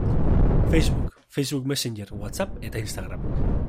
Facebook, Facebook Messenger, Whatsapp eta Instagram.